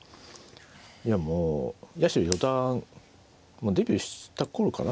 いやもう八代四段デビューした頃かな